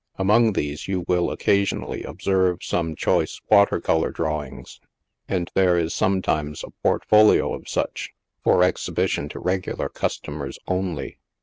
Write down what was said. Among these you will occasionally observe some choice water color draw ings, and there is sometimes a portfolio of such, for exhibition to regular customers only.